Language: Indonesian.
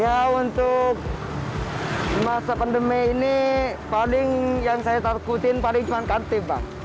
ya untuk masa pandemi ini paling yang saya takutin paling cuma kartip bang